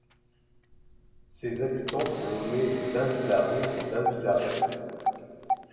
Ses habitants sont nommés les Deinvillarais et Deinvillaraises.